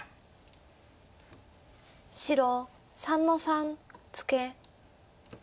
白３の三ツケ。